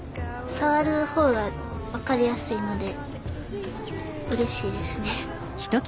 さわる方が分かりやすいのでうれしいですね。